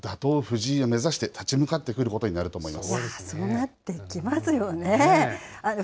藤井を目指して、立ち向かってくることになると思います。